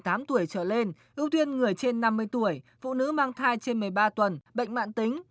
từ một mươi tám tuổi trở lên ưu tiên người trên năm mươi tuổi phụ nữ mang thai trên một mươi ba tuần bệnh mạng tính